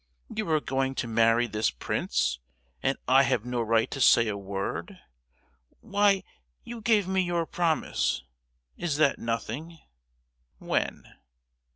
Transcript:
You are going to marry this prince, and I have no right to say a word! Why, you gave me your promise—is that nothing?" "When?"